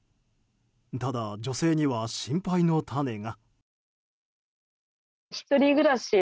ただ女性には、心配の種が。